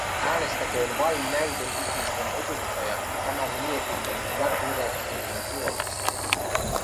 Äänestäköön vain näiden ihmisten edustajat tämän mietinnön ja direktiivin puolesta!